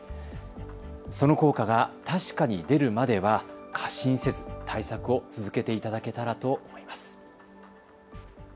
その効果が確かに出るまでは過信せず、対策を続けていただけたらと思います。